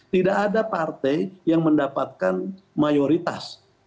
tidak ada partai yang mendapatkan mayoritas